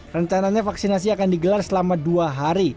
rencananya vaksinasi akan digelar selama dua hari